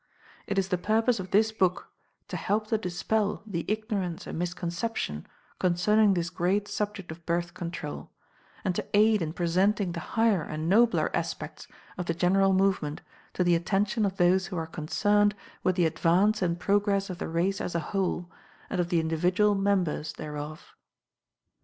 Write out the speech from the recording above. It is the purpose of this book to help to dispel the ignorance and misconception concerning this great subject of Birth Control, and to aid in presenting the higher and nobler aspects of the general movement to the attention of those who are concerned with the advance and progress of the race as a whole, and of the individual members thereof.